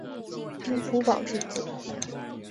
丁福保之子。